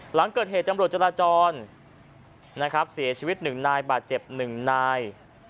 หลังเกิดเหตุจำรวจจราจรนะครับเสียชีวิต๑นายบาดเจ็บ๑นาย